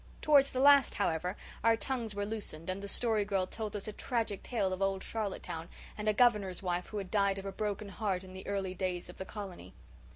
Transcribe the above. Towards the last, however, our tongues were loosened, and the Story Girl told us a tragic tale of old Charlottetown and a governor's wife who had died of a broken heart in the early days of the colony.